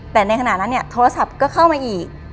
แต่ในขณะนั้นเนี่ยโทรศัพท์ก็เข้ามาอีก